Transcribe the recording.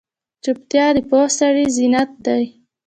چوپتیا، د پوه سړي زینت دی.